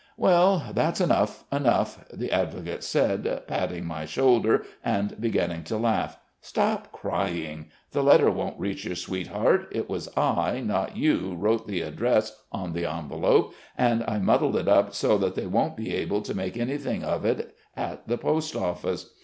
"'Well, that's enough, enough!' the advocate said, patting my shoulder and beginning to laugh. 'Stop crying! The letter won't reach your sweetheart. It was I, not you, wrote the address on the envelope, and I muddled it up so that they won't be able to make anything of it at the post office.